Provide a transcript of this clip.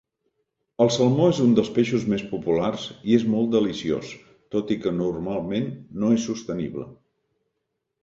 El salmó és un dels peixos més populars i és molt deliciós, tot i que normalment no és sostenible.